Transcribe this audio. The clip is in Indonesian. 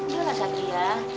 udah lah sakti ya